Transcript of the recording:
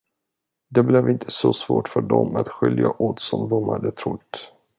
Det blev inte så svårt för dem att skiljas åt som de hade trott.